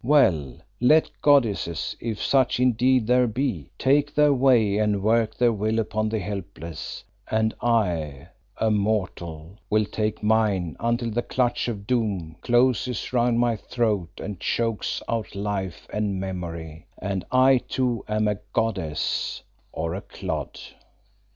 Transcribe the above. Well, let goddesses if such indeed there be take their way and work their will upon the helpless, and I, a mortal, will take mine until the clutch of doom closes round my throat and chokes out life and memory, and I too am a goddess or a clod.